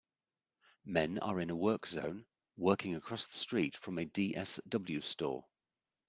Men are in a work zone, working across the street from a DSW store.